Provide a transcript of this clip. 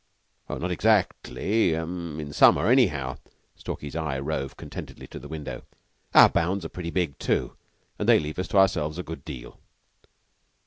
"Not exactly in summer, anyhow." Stalky's eye roved contentedly to the window. "Our bounds are pretty big, too, and they leave us to ourselves a good deal."